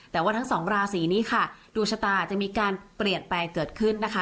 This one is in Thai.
แต่ว่าทั้งสองราศีนี้ค่ะดวงชะตาจะมีการเปลี่ยนแปลงเกิดขึ้นนะคะ